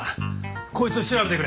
こいつを調べてくれ。